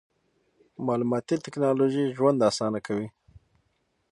مالوماتي ټکنالوژي ژوند اسانه کوي.